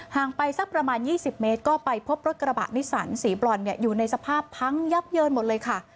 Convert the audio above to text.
ไปสักประมาณ๒๐เมตรก็ไปพบรถกระบะนิสสันสีบรอนอยู่ในสภาพพังยับเยินหมดเลยค่ะ